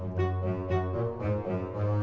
mayan gem esan